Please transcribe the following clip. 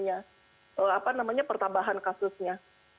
apa namanya pertambahan kasusnya